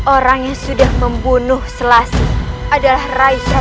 orang yang sudah membunuh selasi adalah rai surawi sesa ayah anda